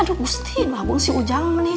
aduh gustin mah bang si ujang nih